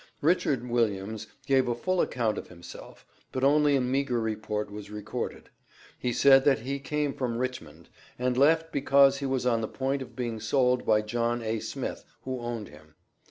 Richard Williams gave a full account of himself, but only a meagre report was recorded. He said that he came from Richmond, and left because he was on the point of being sold by John A. Smith, who owned him.